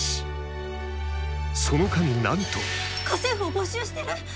その神なんと家政婦を募集してる！？